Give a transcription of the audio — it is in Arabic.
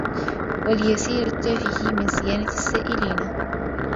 وَالْيَسِيرِ التَّافِهِ مِنْ صِيَانَةِ السَّائِلِينَ